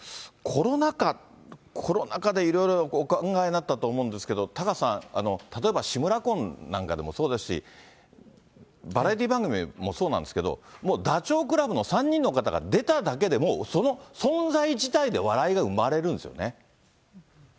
コロナ禍、コロナ禍で、いろいろお考えになったと思うんですけど、タカさん、例えば志村魂なんかでもそうですし、バラエティー番組なんかでもそうなんですけど、ダチョウ倶楽部の３人の方が出ただけでもう、その存在自体で笑いが生まれるんですよね。